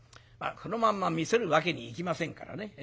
このまんま見せるわけにいきませんからね